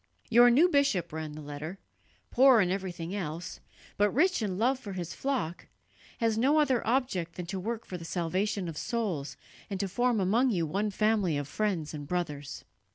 "Your new bishop," ran the letter, "poor in everything else, but rich in love for his flock, has no other object than to work for the salvation of souls and to form among you one family of friends and brothers."